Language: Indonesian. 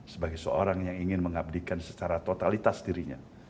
sebagai seorang yang ingin mengabdikan secara totalitas dirinya